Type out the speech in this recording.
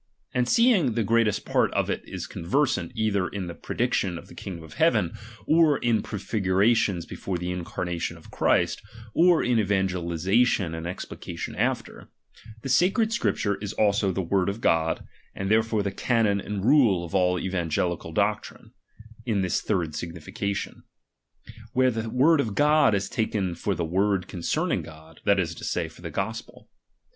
And seeing the greatest part of it is conversant either in the prediction of the kiiigdom (f heaven, or in prefigurations before the incarnation of Christ, or in evangelization and explication after ; the sacred Scripture is also the word of God, and therefore the canon and rule of all evangelical doctrine, in this third signification ; where the word of God is taken for the word concerning God, that is to say, for the gospel.